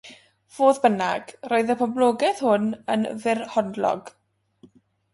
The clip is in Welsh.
Fodd bynnag, roedd y boblogaeth hon yn fyrhoedlog.